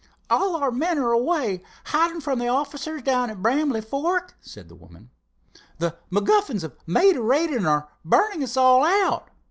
"All our men are away—hiding from the officers down at Brambly Fork," said the woman. "The MacGuffins have made a raid and are burning us all out!